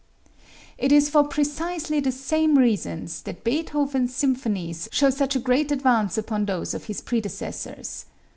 It is for precisely the same reasons that Beethoven's symphonies show such a great advance upon those of his predecessors.